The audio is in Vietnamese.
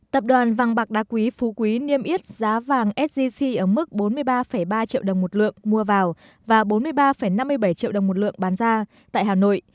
tập đoàn vàng bạc đá quý phú quý niêm yết giá vàng sgc ở mức bốn mươi ba ba triệu đồng một lượng mua vào và bốn mươi ba năm mươi bảy triệu đồng một lượng bán ra tại hà nội